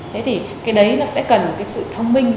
thế thì cái đấy nó sẽ cần một cái sự thông minh